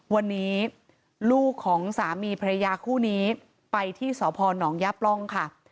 วันนี้ลูกของสามีภรรยาคู่นี้ไปที่สพนย่าปล่องค่ะ